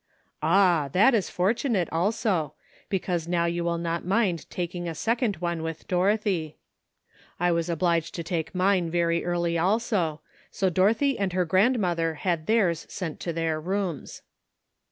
*'Ah! that is fortunate, also, because now 212 A LONG, WONDERFUL DAT. you will not mind taking a second one with Dorothy. I was obliged to take mine very early, also, so Dorothy and her grandmother had theirs sent to their rooms."